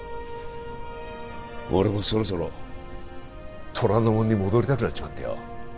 俺もそろそろ虎ノ門に戻りたくなっちまってよ